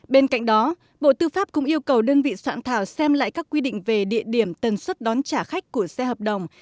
bên cạnh đó bộ tư pháp cũng yêu cầu đơn vị soạn thảo xem lại các quy định về địa điểm tần suất đón trả khách của xe hợp đồng